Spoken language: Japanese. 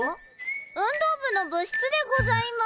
運動部の部室でございます。